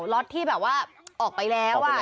ล็อตที่แบบว่าออกไปแล้ว